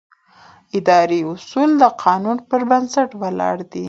اداري اصول د قانون پر بنسټ ولاړ دي.